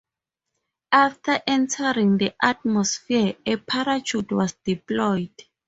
After entering the atmosphere a parachute was deployed.